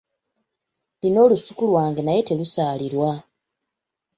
Nnina olusuku lwange naye terusalirwa.